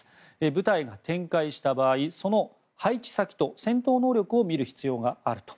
部隊が展開した場合その配置先と戦闘能力を見る必要があると。